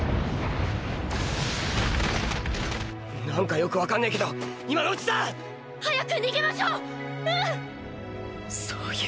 なんかよくわかんねぇけど今のうちだ！早く逃げましょう！